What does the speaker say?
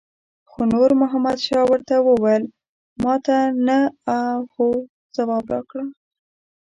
خو نور محمد شاه ورته وویل ماته نه او هو ځواب راکړه.